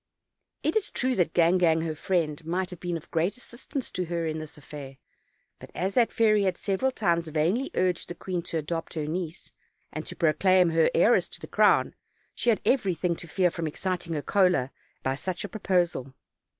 It is true that Gangan, her friend, might have been of great assistance to her in this affair, but as that fairy had several times vainly urged the queen to adopt her niece, and to pro claim her heiress to the crown, she had everything to fear from exciting her choler by such a proposal.